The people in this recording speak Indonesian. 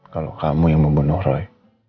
kalau kamu yang membunuh roy